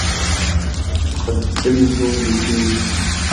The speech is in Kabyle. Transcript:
Nxeddem-d udi s uyefki.